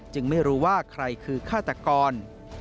ไม่รู้ว่าใครคือฆาตกร